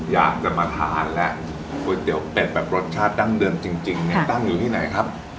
อยากจะมาทานแล้วก๋วยเตี๋ยวเป็ดแบบรสชาติดั้งเดิมจริงเนี่ยตั้งอยู่ที่ไหนครับ